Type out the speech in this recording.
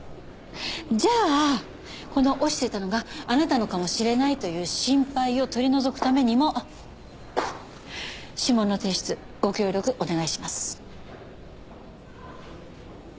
じゃあこの落ちてたのがあなたのかもしれないという心配を取り除くためにも指紋の提出ご協力お願いします。